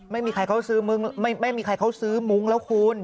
ไม่มีใครเขาซื้อมุ้งไม่มีใครเขาซื้อมุ้งแล้วคุณ